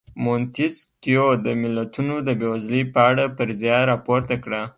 مونتیسکیو د ملتونو د بېوزلۍ په اړه فرضیه راپورته کړه.